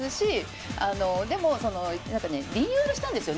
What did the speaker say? でもリニューアルしたんですよね